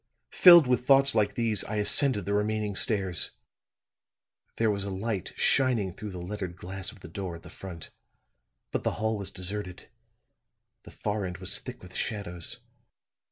"Filled with thoughts like these, I ascended the remaining stairs. There was a light shining through the lettered glass of the door at the front; but the hall was deserted; the far end was thick with shadows.